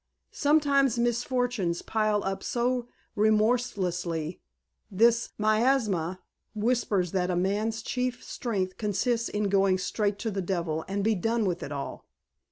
Sometimes misfortunes pile up so remorselessly, this miasma whispers that a man's chief strength consists in going straight to the devil and be done with it all.